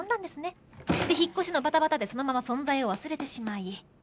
で引っ越しのバタバタでそのまま存在を忘れてしまい。